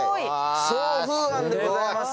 桑風庵でございます。